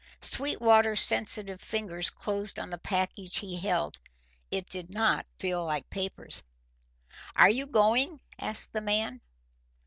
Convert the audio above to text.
Sweetwater's sensitive fingers closed on the package he held. It did not feel like papers. "Are you going?" asked the man.